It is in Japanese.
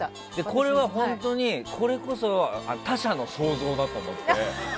これは、本当にこれこそ他者の想像だと思って。